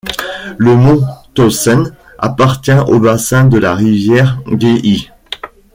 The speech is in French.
Le mont Townsend appartient au bassin de la rivière Geehi.